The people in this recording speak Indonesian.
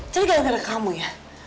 jadi gak ada kamu ya